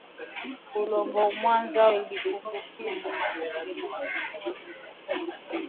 Kongolomwanza iliumbiwaka siku ya mwisho wa garika